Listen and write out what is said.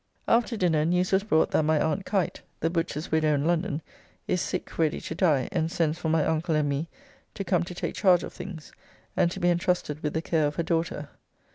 After dinner news was brought that my aunt Kite, the butcher's widow in London, is sick ready to die and sends for my uncle and me to come to take charge of things, and to be entrusted with the care of her daughter.